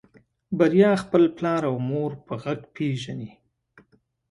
بريا خپل پلار او مور په غږ پېژني.